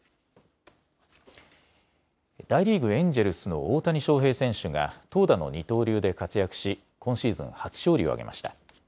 大リーグ、エンジェルスの大谷翔平選手が投打の二刀流で活躍し、今シーズン初勝利を挙げました。